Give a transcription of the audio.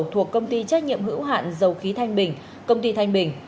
thuộc công ty trách nhiệm hữu hạn dầu khí thanh bình công ty thanh bình